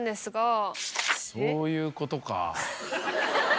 うわそういうことか！